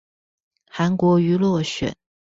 韓國瑜落選